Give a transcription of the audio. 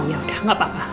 yaudah nggak apa apa